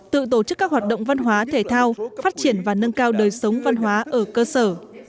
tự tổ chức các hoạt động văn hóa thể thao phát triển và nâng cao đời sống văn hóa ở cơ sở